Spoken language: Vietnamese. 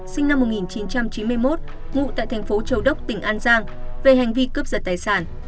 sinh năm một nghìn chín trăm chín mươi một ngụ tại thành phố châu đốc tỉnh an giang về hành vi cướp giật tài sản